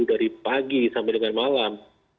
dari pagi sampai dengan malam dua puluh